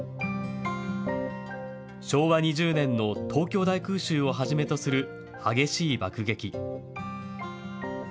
昭和２０年の東京大空襲をはじめとする激しい爆撃。